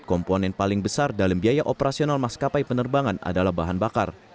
komponen paling besar dalam biaya operasional maskapai penerbangan adalah bahan bakar